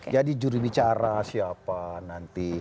jadi juri bicara siapa nanti